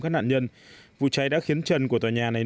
các nạn nhân vụ cháy đã khiến trần của tòa nhà này